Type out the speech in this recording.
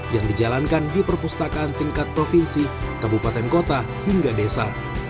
yang dijalankan di perpustakaan tingkat provinsi kabupaten kota hingga desa